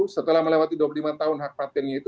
setelah melewati dua puluh lima tahun hak patentnya itu